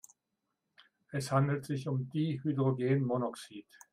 Es handelt sich um Dihydrogenmonoxid.